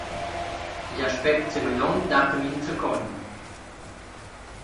Igl aspect semegliont dat a mi in zaccogn.